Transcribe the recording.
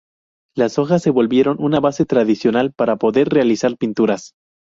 Las hojas se volvieron una base tradicional para poder realizar pinturas.